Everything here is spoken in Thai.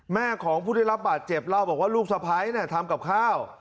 แม่ของผู้ได้รับบาดเจ็บเล่าบอกว่าลูกสะพ้ายทำกับข้าว